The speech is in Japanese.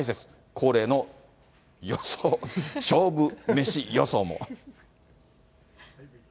恒例の予想、勝負メシ予想も。